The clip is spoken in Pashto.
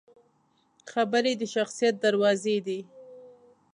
خبرې د شخصیت دروازې دي